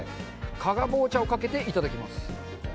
加賀棒茶をかけて頂きます